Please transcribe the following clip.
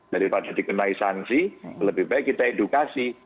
daripada dikenai sanksi lebih baik kita edukasi